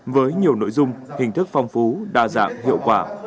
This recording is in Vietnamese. với nhiều nội dung hình thức phong phú đa dạng hiệu quả